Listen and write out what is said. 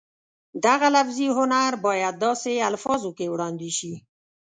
دغه لفظي هنر باید داسې الفاظو کې وړاندې شي